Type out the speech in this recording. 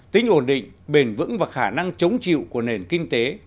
tính ổn định bền vững và khả năng chống chịu của nền kinh tế